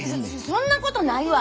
そそんなことないわ！